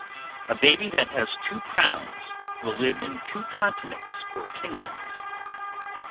A baby that has two crowns will live in two continents or kingdoms.